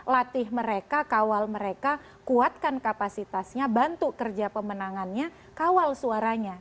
latih mereka kawal mereka kuatkan kapasitasnya bantu kerja pemenangannya kawal suaranya